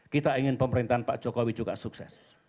kita ingin pemerintahan pak jokowi juga sukses